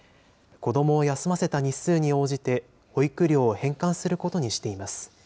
子どもを休ませた日数に応じて、保育料を返還することにしています。